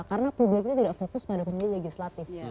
karena publiknya tidak fokus pada pemilih legislatif